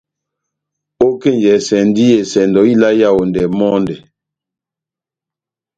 Ókenjɛsɛndi esɛndo yá ila ó Yaondɛ mɔndɛ.